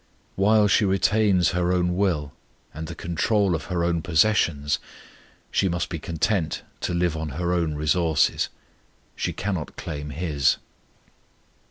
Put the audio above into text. While she retains her own will, and the control of her own possessions, she must be content to live on her own resources; she cannot claim his.